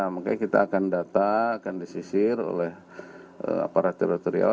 makanya kita akan data akan disisir oleh aparat teritorial